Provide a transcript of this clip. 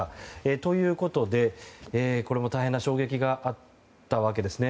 ということで、これも大変な衝撃があったわけですね。